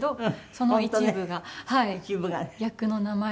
その一部が役の名前になる。